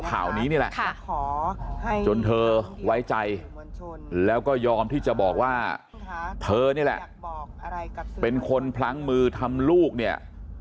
ข่าวนี้นี่แหละจนเธอไว้ใจแล้วก็ยอมที่จะบอกว่าเธอนี่แหละเป็นคนพลั้งมือทำลูกเนี่ย